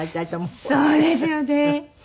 そうですよね。